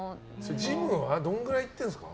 ジムはどのくらい行ってるんですか？